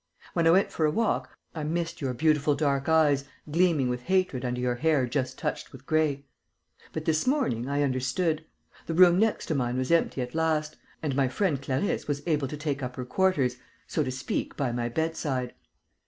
When I went for a walk, I missed your beautiful dark eyes, gleaming with hatred under your hair just touched with gray. But, this morning, I understood: the room next to mine was empty at last; and my friend Clarisse was able to take up her quarters, so to speak, by my bedside.